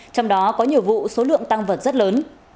trong đó có nhiều vụ số lượng tăng vật rất lớn